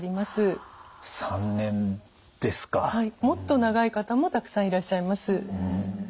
もっと長い方もたくさんいらっしゃいます。